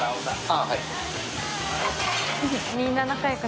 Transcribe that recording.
あぁはい。